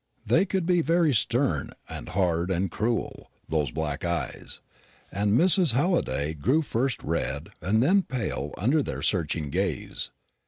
They could be very stern and hard and cruel, those bright black eyes, and Mrs. Halliday grew first red and then pale under their searching gaze.